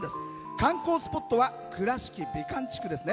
観光スポットは倉敷美観地区ですね。